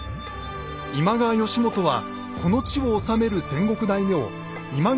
今川義元はこの地を治める戦国大名今川